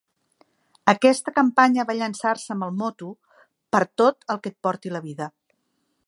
Aquesta campanya va llançar-se amb el moto "Per tot el que et porti la vida".